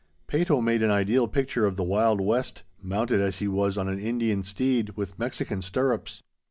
Peyto made an ideal picture of the wild west, mounted as he was on an Indian steed, with Mexican stirrups.